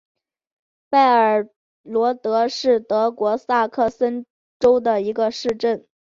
拜尔罗德是德国萨克森州的一个市镇。